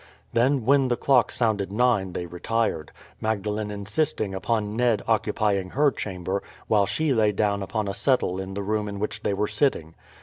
Then when the clock sounded nine they retired, Magdalene insisting upon Ned occupying her chamber, while she lay down upon a settle in the room in which they were sitting.